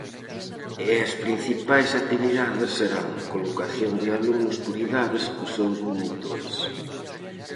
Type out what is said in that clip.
E as principais actividades serán: colocación de alumnos por idades cos seus monitores.